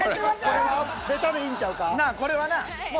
なあこれはな。